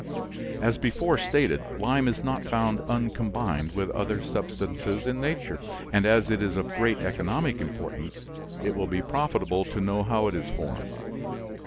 As before stated, lime is not found un combined with other substances in nature. And as it is of great economic importance, it will be profitable to know how it is formed.